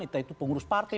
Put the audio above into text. entah itu pengurus partai